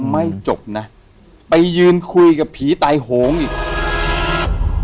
ไม่จบนะไปยืนคุยกับผีตายโหงอีก